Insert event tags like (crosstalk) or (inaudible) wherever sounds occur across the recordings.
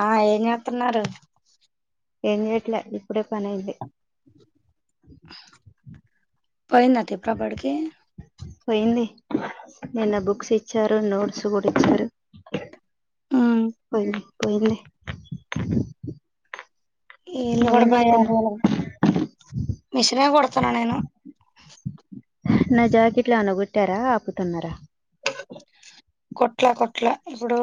ఆ ఏం చేతున్నారు ఏం చేయట్లే ఇప్పుడే పని అయింది. పోయిందా త్రిపుర బడికి పోయింది నిన్న బుక్స్ ఇచ్చారు. నోట్స్ కూడా ఇచ్చారు. పోల్ పోయింది వీళ్లు కూడా నువ్వేం పోయి ఆరు చేత్తన్నావ్ రోజులైంది. మెషినే కుడుతున్న నేను. నా జాకెట్ల ఏమన్నా కుట్టారా. ఆపుతున్నారా. కుట్లే కుట్లే. ఇప్పుడు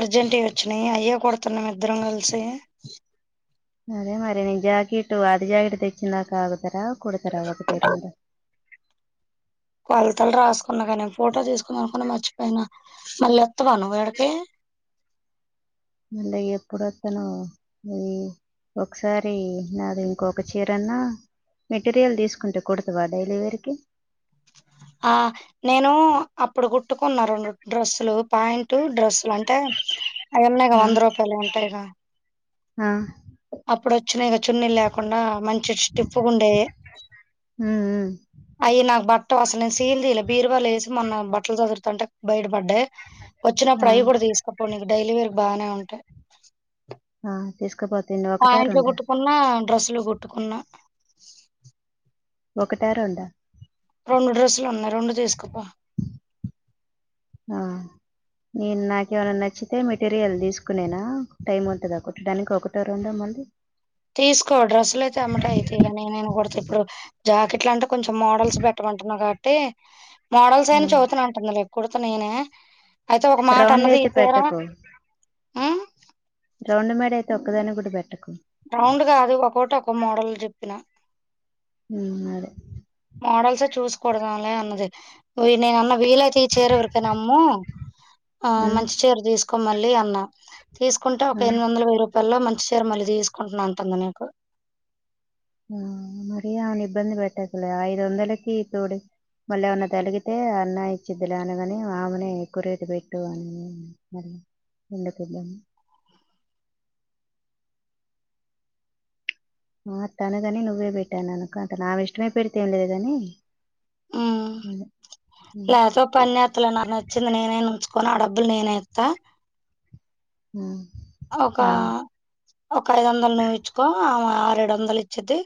అర్జెంట్ వి వచ్చినాయి. అయ్యే కుడుతున్నాం. ఇద్దరం కలిసి. అదే మరి నేను జాకెట్ ఆది జాకెట్ తెచ్చిందాక ఆగుతారా. కుడుతారా. ఒకటి, రెండు. కొలతలు రాసుకున్నా కానీ ఫోటో తీసుకుందాం అనుకున్న మర్చిపోయినా మళ్ళీ వత్తావ నువ్వు ఈడకి. మళ్ళీ ఏప్పుడు వత్తనో. అది ఒకసారి నాది ఇంకొక చీరన్న మెటీరియల్ తీసుకుంటే కూడతవ. డైలీవేర్కీ అ నేను అప్పుడు కుట్టుకున్న రెండు డ్రెస్సులు పాయింటు డ్రస్సులు అంటే అయి ఉన్నాయి గా ఆ వంద రూపాయలువి ఉంటాయిగా ఆ అప్పుడు వచ్చినాయిగా చున్నీలు లేకుండా మంచి స్టిఫ్ గా ఉండేవి. ఉమ్ ఉమ్ అయి నాకు పట్టవు. అసలు నేను సీల్ తీయలే. బీరువాలో వేసి మొన్న బట్టలు సదురుతుంటే బయటబడ్డాయి. ఆ వచ్చినప్పుడు అయి కూడా తీసుకపోం నీకు డైలీవేర్ కి బాగానే ఉంటాయి. ఆ తీసుకుపోతండి ఒకటా, రెండా కున్నా డ్రెస్సులు కుట్టుకున్న. ఒకటా, రెండా రెండు డ్రెస్సులు ఉన్నాయి. రెండు తీసుకపో ఆ నేను నాకేమైనా నచ్చితే మెటీరియల్ తీసుకునేనా టైం అవుతాదా కుట్టడానికి ఒకటో, రెండో మళ్ళీ తీసుకో డ్రెస్సులు అయితే వెమ్మటే అయితయిలే. నేను కుడుతా ఇప్పుడు. జాకెట్లు అయితే కొంచెం మోడల్స్ పెట్టమంటున్నావ్ కాబట్టి. మోడల్స్ ఆ. అయినా చెబితేనే ఉంటుంది లే కుడుతా నేనే. అయితే ఒక మాట రౌండ్ అన్నది ఈ అయితే చీర పెట్టకు ఉమ్ రౌండ్ మేడ అయితే ఒక్కదాని కూడా పెట్టకు రౌండ్ కాదు ఒ ఒకొక్కొటి ఒకొ మోడల్ చెప్పినా ఉ అదే మోడల్స్ చూసి కూడదమ్ లే అన్నది నేను అన్న వీలైతే ఈ చీర ఎవరికనమ్ము ఆ ఉమ్, మంచి చీర తీసుకో మళ్ళీ అన్నా తీసుకుంటే ఒక ఆ, ఎనిమిది వందలు వెయ్యి రూపాయల్లో మంచి చీర మళ్ళీ తీసుకుంటున్నా అంటుంది నీకు ఆ మరి ఆమెను ఇబ్బంది పెట్టకులే ఐదు వందలకి ఇతోడు మళ్ళ ఏమన్నా తలిగితే అన్న ఇచ్చిద్లే అనగాని ఆమెనే ఎక్కువ రేటు పెట్టు అని (unintelligible) ఆ తనుగాని నువ్వే పెట్టాను అనుక అంట ఆమె ఇష్టమే పెడితే ఏం లేదు గాని ఆ అదే, లేతే ఓ పన్ త నా నచ్చింది నేనే ఉంచుకోని ఆ డబ్బులు నేనేెయిత్త. ఉమ్ ఒక ఒక ఐదు వందలు నువ్ ఇచ్చుకో ఆమె రెండు వందలు ఇచ్చిద్ధి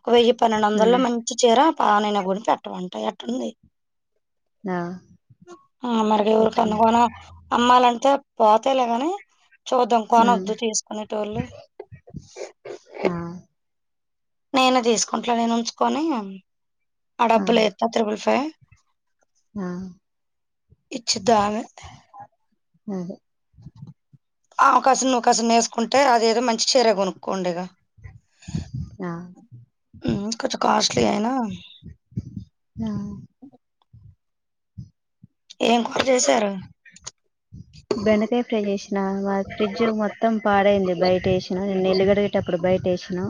ఒక వెయ్యి పన్నెండు వందల్లో ఉమ్, మంచి చీర పానైన కొనిపెట్టమంట ఎట్టుది ఆ, ఆ మరిగ ఊరు పెట్టు కనీకోనా అమ్మాలంటే పోతయిలేగాని చూద్దాం పోని ఉమ్ వద్దు చేసుకునేటోళ్ళు ఆ నేను తీసుకుంట్ల నేను ఉంచుకొని ఆ డబ్బులు ఏత్తా త్రిబుల్ ఫైవ్ ఆ ఇచ్చి ద్దామే మ్ అవ కాశం నువ్వు కాసం వేసుకుంటే అదే ఏదో మంచి చీర కొనుక్కోండి ఇగా ఆ కొంచెం కాస్ట్లీ అయినా ఆ ఏం కార చేశారు బెండకాయ ఫ్రై చేసినా మా ఫ్రిడ్జ్ మొత్తం పాడైంది బయట వేసిన నిన్న ఇల్లుకడిగే అప్పుడు బయట వేసినా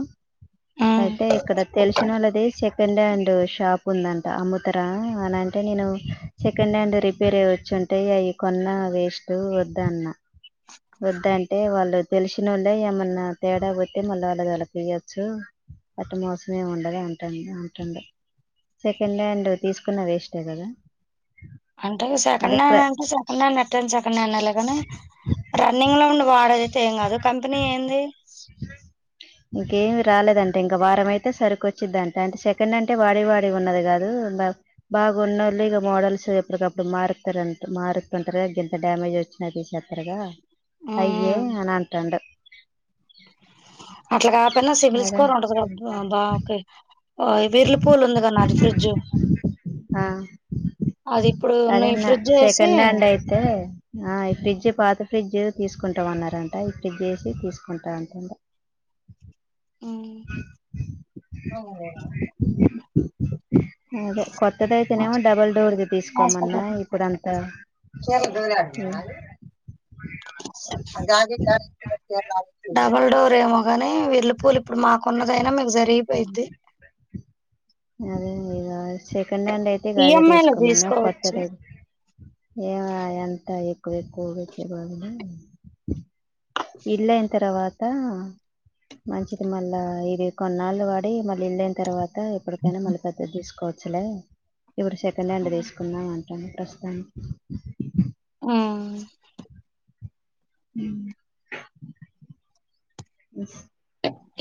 హ్మ్. అయితే ఇక్కడ తెలుసు నా వాళ్ళది సెకండ్ హ్యాండ్ షాప్ ఉందంట అమ్ముతరా అని అంటే నేను సెకండ్ హ్యాండ్ రిపేర్ అయ్యి వచ్చుంటయి అవి కొన్న వేస్ట్ వద్దన్న వద్దంటే వాళ్ళు తెలిసినొళ్ళే ఏమన్నా తేడా పోతే మళ్ళీ వాళ్ళది వాళ్ళకీయొచ్చు అట్ట మోసమేమి ఉండదంట అంటుండు సెకండ్ హ్యాండ్ తీసుకున్న వేస్టే కదా అంటే అదే సెకండ్ ప్ర హ్యాండ్ అంటే సె కెన్డ్ ఎట్టైన సెకండ్ హ్యాండ్ లె గానీ రన్నింగ్ లో ఉండి వాడది అయితే ఏం కాదు కంపెనీ ఏంది ఇంకేమి రాలేదంట ఇంక వారం అయితే సరుకు వచ్చిద్దంట అంటే సెకండ్ అంటే వాడి వాడి ఉన్నది కాదు ఉండాలి బాగా ఉన్నోల్లు ఇక మోడల్స్ ఎప్పడుక ప్పుడు మారుత్తుంటర్ మారుత్తుంటరు గింత డ్యామేజ్ వ చ్చిన తీసుకెళ్తారు గా అయ్యే హ్మ్. అని అంటాండు అట్లా కాపోయినా సివిల్ అదే స్కోర్ ఉంటది గ బా ఓకే విర్లుపూల్ ఉంది గా అది ఫ్రిడ్జు ఆ అది ఇప్పుడున్న ఈ ఫ్రిడ్జ్ ఏసి అదే ఆ ఈ ఫ్రిడ్జు పాత ఫ్రిడ్జు తీసుకుంటం అన్నారంట ఈ ఫ్రిడ్జ్ ఏసి తీసుకుంటారనుకుంట మ్ అదే కొత్తది అయితేనేమో డబుల్ డోర్ ది తీసుకోమన్నా ఇప్పుడంత కసు దూర ఆడింద నాయను (unintelligible) డబల్ డోర్ ఏమో గాని వీర్లు పూలు ఇప్పుడు మాకున్నదైనా మీకు జరిగిపోయిద్ది అదే ఇగ సెకండ్ హ్యాండ్ అయితే గదె ఈఎంఐలో తీసుకోమన్న తీసుకోవచ్చు కొత్తదైదు ఏమో ఆ అంత ఎక్కువ ఎక్కువ పెట్టె బదూలు ఇల్లైన తర్వాతా మంచిది మళ్ళా ఇది కొన్నాళ్ళు వాడి మళ్ళీ ఇల్లైన తర్వాత ఎప్పటికైనా మళ్ళీ పెద్దది తీసుకోవచ్చులే ఇప్పుడు సెకండ్ హ్యాండ్ తీసుకున్నాం అంటాను ప్రస్తుతానికి మ్ మ్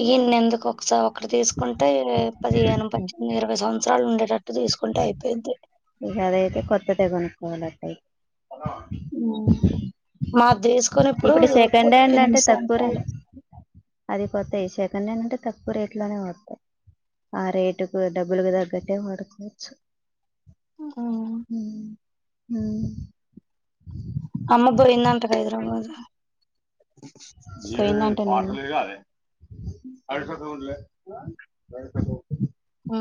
ఇయన్నెందుకు ఒకసారి ఒకటి తీసుకుంటే పదిహేను పద్దెనిమిది ఇరవై సం సంవత్సరాలు ఉండేటట్టు తీసుకుంటే అయిపోయిద్ది ఇక అదైతే కొత్తదే కొనుక్కోవాలట్టయి మాద్దీసుకుని ఇప్పుడు సెకండ్ హ్యాండ్ అంటే ఎనిమిది తక్కువ సంవత్సరాలు రేట్ అది కొత్తయి సెకండ్ హండ్ అంటే తక్కువ రేట్ లోనే వతాయి ఆ రేటుకు డబ్బులుకి తగ్గట్టే వాడుకోవచ్చు ఉ ఉ ఉ అమ్మబ్బా ఇన్నంటక ఇరు అబదు (unintelligible) పోయిందంటనా ఉ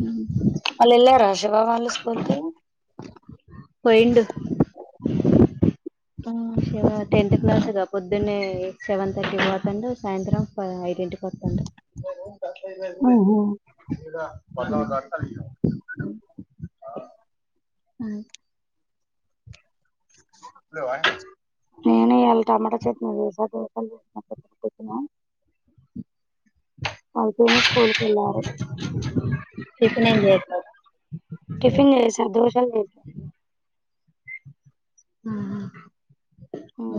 ఉ వాళ్ళల్లారా రాషభావళ్ళ స్కూల్కి పోయిండు ఉమ్. ఎవ టెన్త్ క్లాస్ గా పొద్దున్నే సెవెన్ థర్టీకి పోతాండు సాయంత్రం పా ఐదింటికి ఉత్తండు ఉ ఉ హలో అ అ టమాటా చట్నీ చేసా (unintelligible) పొద్దున్నే స్కూల్కి వెళ్ళలారు టిఫిన్ ఏం చేశావు టిఫిన్ చేశా దోస చట్నీ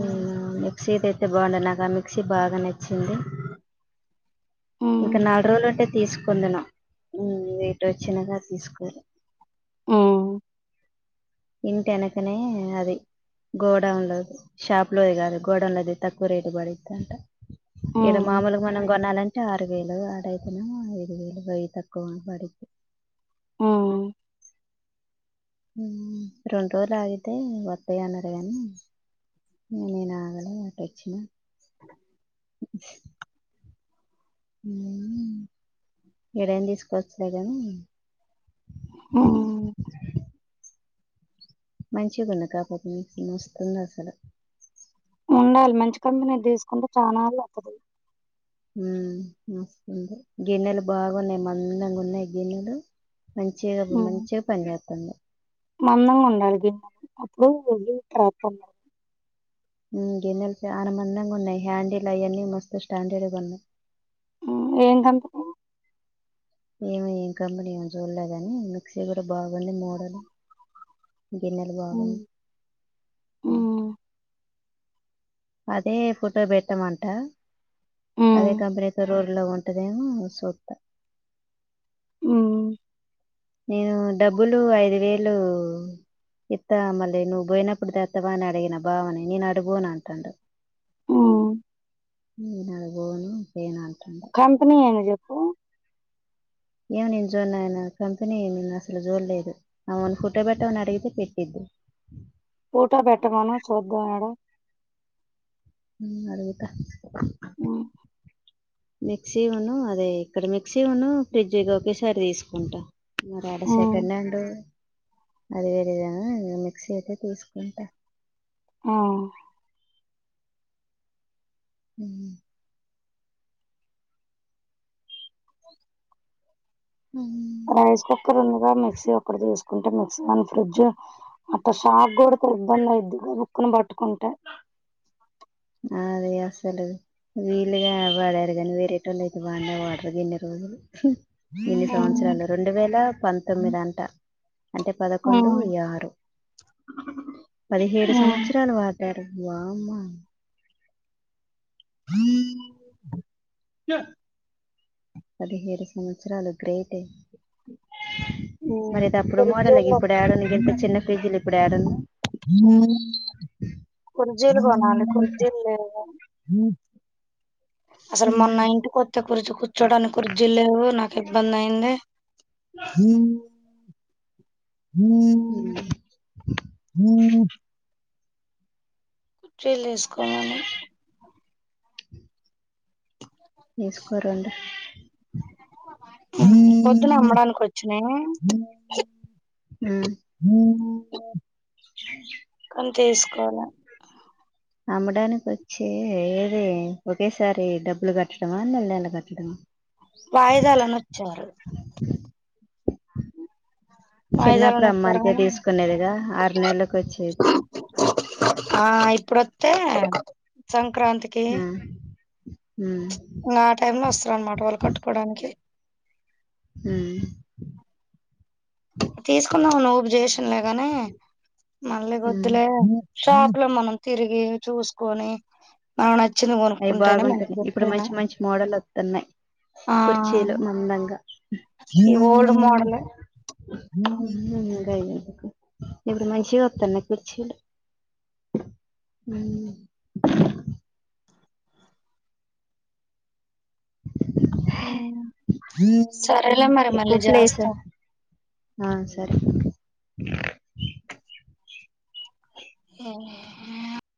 ఉ మిక్సీ అయితే బాగుండే నాకు ఆ మిక్సీ బాగా నచ్చింది హ్మ్ ఇంకా నాలుగు రోజులు ఉంటే తీసుకుందును ఉ ఇటు వచ్చినగా తీసుకోలే ఉ ఇంటి వెనకనే అది గోడంలో షాప్ లోది కాదు గోడౌన్లది తక్కువ రేటు పడిది అంటే ఈడ హ్మ్ మామూలుగా మనం కొనాలం టే ఆరు వేలు ఆడాయితనేమో ఐదు వేలు బయట తక్కువనే పడింది ఉ ఉ రెండు రోజులు ఆగితే వస్తాయి అన్నారు గానీ నేను ఆడనే అటుొచ్చిన ఉ ఏదైనా తీసుకొచ్చులే గాని ఉ ఉ మంచిగుంది కాకపోతే మస్తుంది అసలు ఉండాలి మంచి కంపెనీది తీసుకుంటే చాన్నాళ్లు వస్తది ఉ మస్తుంది గిన్నెలు బాగున్నాయి మందంగా ఉన్నాయి గిన్నెలు మంచిగా హ్మ్ మంచిగా పనిచేస్తుంది మందంగా ఉండాలి గిన్న అప్పుడు వెళ్ి టప్ ఉండ (unintelligible) గిన్నెల చాలా మందంగా ఉన్నాయి హ్యాండిల్ అవన్నీ మస్తు స్టాండర్డ్ గా ఉన్నాయి ఉ ఏ కంపెనీ ఏమో ఏం కంపెనీ ఏ చూడలే కానీ మిక్సీ కూడా బాగుంది మోడల్ గిన్నెలు హ్మ్ బాగున్నాయి హ్మ్ అదే ఫోటో పెట్టమంటా హ్మ్ కంపెనీ తో రో తెల్లగా ఉంటదేమో చూద్దాం ఉ నేను డబ్బులు ఐదువేళ్లు ఇత్త మళ్లీ నువ్వు పోయినప్పుడు తెత్తవా అని అడిగిన బావని నేను అడుపోను అంటాడు ఉమ్ నేను అటు పోను తేను అంటాండు కంపేనీ ఏంది చెప్పు ఏమో నేను చూడ కంపెనీ అసలు చోడలేదు ఆమేను ఫోటో పెట్టమని అడిగితే పెట్టిద్ది ఫోటో పెట్టమను చూద్దాం ఇడ ఉం అడుగుతా హ్మ్ మిక్సీ ఉను అది ఇక్కడ మిక్సీ ఉను ఫ్రిడ్జ్ ఒకేసారి తీసుకుంటా మరి ఆడ హ్మ్ సెకండ్ హ్యాండ్ అది వేరేగాని మిక్సీ అయితే తీసుకుంటా ఆ ఉం ఉం రైస్ కుక్కర్ ఉందిగా మిక్సీ ఒక్కటి తీసుకుంటే మిక్సీ అన్ ఫ్రిడ్జ్ అట్ట షాక్ కొడితే ఇబ్బంది అయిద్ది గబుకున్న పట్టుకుంటే ఆ అదే అసలు వీలుగా వాడారు కాని వేరేటోళ్ళు అయితే వాడనే వాడరు గిన్ని రోజులు ఇన్ని హ్మ్. సంవత్సరాలు రెండు వేల హ్మ్. పంతొమ్మిది అంట అంటే పదకొండు హ్మ్. ఇది ఆరు పదిహేడు హ్మ్. సంవత్సరాలు వారు డారు వామ్మో పదిహేడు సంవత్సరాలు గ్రేట్ ఏ మరి ఇది అప్పుడు మోడలా ఇగ కుర్చీలు ఇప్పుడు ఎడ ఉన్నయి ఇగ ఇంతా చిన్న ఫ్రిడ్జ్లు ఇప్పుడు ఎడ ఉన్నాయి కుర్జీలు కొనాలి కుర్జీలు లేవు అసలు మొన్న ఇంటి కొత్తే కుర్చీ కూర్చోడానికి కుర్చీలు లేవు నాకు ఇబ్బంది అయింది చెర్లేస్కోవాలే (unintelligible) తీసుకో రెండు పొద్దున అమ్మడానికి వచ్చినయి ఉం కానీ తీసుకోల అమ్మడానికి వచ్చి ఏదీ ఒకేసారి డబ్బులు కట్టడమా నెల నెల కట్టడమా వాయిదాలని వచ్చారు చిన్నప్పుడు అమ్మ వాయిదాలనొచ్చారు అంతే గానీ తీసుకునేదిగా ఆరు నెలలకి వచ్చేది ఆ ఇప్పుడుత్తే సంక్రాంతి కి ఆ, ఉమ్, చ్ ఇంకా ఆ టైమ్ లో వస్తరు అన్నమాట వాళ్ళు కట్టుకోవడానికి ఉం తీసుకుందామని వూపు చేసినలేగాని మళ్ళీ ఇగ ఉమ్. వోద్దులే షాప్ లో మనం తిరిగి చూసుకొని మనకు నచ్చింది అయి కొనుక్కుంటేనే బాగుంటునయి మంచిది ఇప్పుడు ఎప్పుడైనా మంచి మంచి మోడల్ వత్తున్నయి కుర్చీలు మందంగా ఈయి ఓల్డ్ మోడలే గయ్యే (unintelligible) ఇప్పుడు మంచిగా వస్తనాయి కుర్చిలు అవును సరేలే మరి ఎక్కువ మళ్ళీ ప్లేస్ చేస్తా ఆ సరే ఏనే